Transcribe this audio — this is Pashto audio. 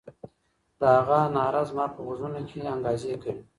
د هغه ناره زما په غوږونو کي انګازې کوي.